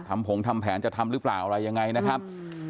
ผงทำแผนจะทำหรือเปล่าอะไรยังไงนะครับ